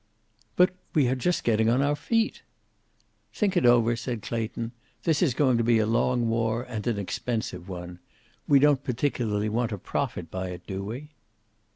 "But we are just getting on our feet!" "Think it over!" said Clayton. "This is going to be a long war, and an expensive one. We don't particularly want to profit by it, do we?"